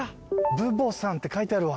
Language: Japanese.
ブボさんって書いてあるわ。